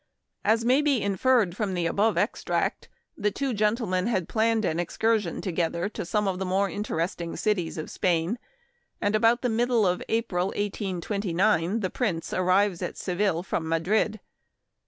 As may be inferred from the above extract, the two gentlemen had planned an excursion together to some of the more interesting cities of Spain, and about the middle of April, 1829, the Prince arrives at Seville from Madrid.